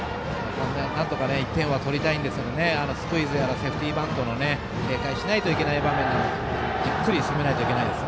なんとか１点は取りたいんでスクイズやセーフティーバントを警戒しないといけない場面なのでじっくり攻めないといけないです。